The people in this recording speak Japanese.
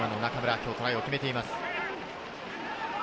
今日トライを決めています。